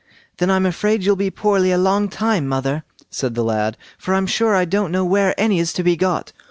"Then I'm afraid you'll be poorly a long time, mother", said the lad, "for I'm sure I don't know where any is to be got."